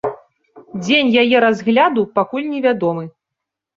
Дзень яе разгляду пакуль невядомы.